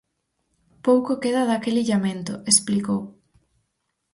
Pouco queda daquel illamento, explicou.